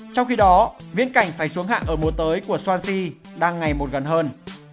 trong khi đó viên cảnh phải xuống hạng ở mùa tới của swansea đang ngày một gần hơn